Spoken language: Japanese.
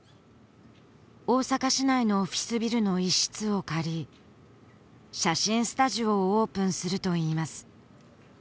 大阪市内のオフィスビルの一室を借り写真スタジオをオープンするといいます